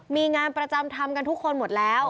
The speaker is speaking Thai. มีงานประจำทำกันทุกคนหมดแล้ว